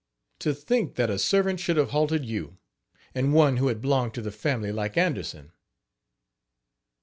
To think that a servant should have halted you, and one who has belonged to the family like Anderson!